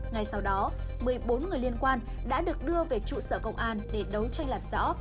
ngay sau đó một mươi bốn người liên quan đã được đưa về trụ sở công an để đấu tranh làm rõ